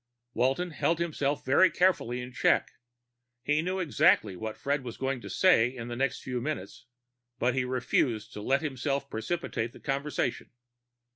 Walton held himself very carefully in check. He knew exactly what Fred was going to say in the next few minutes, but he refused to let himself precipitate the conversation.